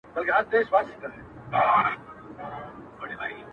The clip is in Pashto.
ویل ګوره چي ګنجی سر دي نیولی؛